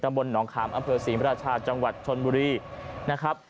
บนหนองขามอำเภอศรีมราชาจังหวัดชนบุรีนะครับ